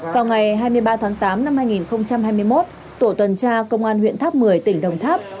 vào ngày hai mươi ba tháng tám năm hai nghìn hai mươi một tổ tuần tra công an huyện tháp một mươi tỉnh đồng tháp